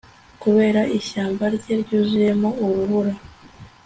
Kureba ishyamba rye ryuzuyemo urubura